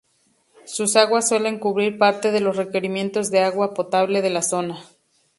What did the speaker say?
Sus aguas suelen cubrir parte de los requerimientos de agua potable de la zona.